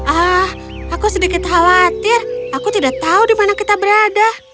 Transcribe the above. ah aku sedikit khawatir aku tidak tahu di mana kita berada